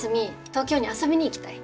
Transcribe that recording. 東京に遊びに行きたい。